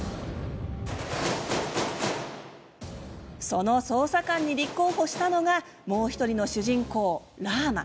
その捜査官に立候補したのがもう１人の主人公、ラーマ。